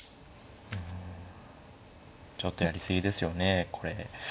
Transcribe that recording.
ちょっとやり過ぎですよねこれ。